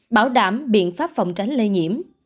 bảo đảm biện pháp phòng tránh lây nhiễm